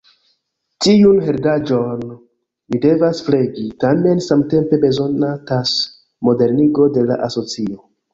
Tiun heredaĵon ni devas flegi, tamen samtempe bezonatas modernigo de la asocio.